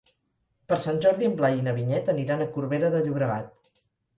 Per Sant Jordi en Blai i na Vinyet aniran a Corbera de Llobregat.